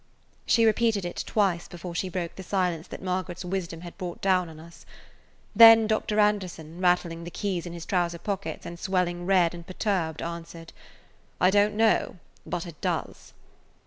She repeated it twice before she broke the silence that Margaret's wisdom had brought down on us. Then Dr. Anderson, rattling the keys in his trousers pockets and swelling red and perturbed, answered: "I don't know, but it does."